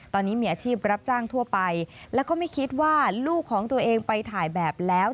ตอนนี้มีอาชีพรับจ้างทั่วไปแล้วก็ไม่คิดว่าลูกของตัวเองไปถ่ายแบบแล้ว